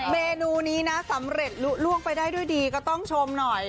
เมนูนี้นะสำเร็จลุล่วงไปได้ด้วยดีก็ต้องชมหน่อย